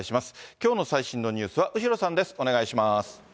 きょうの最新のニュースは後呂さんです。